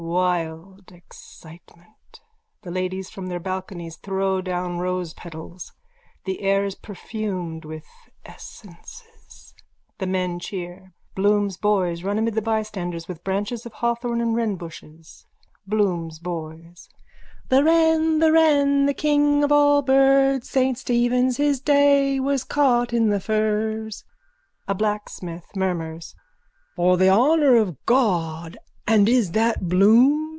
Wild excitement. The ladies from their balconies throw down rosepetals. The air is perfumed with essences. The men cheer. Bloom's boys run amid the bystanders with branches of hawthorn and wrenbushes.)_ BLOOM'S BOYS: The wren, the wren, The king of all birds, Saint Stephen's his day Was caught in the furze. A BLACKSMITH: (Murmurs.) For the honour of God! And is that Bloom?